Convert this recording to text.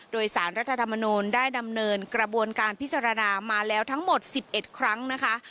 โดยสารรัฐธรรมนูลได้ดำเนินกระบวนการพิจารณามาแล้วทั้งหมด๑๑ครั้งนะคะ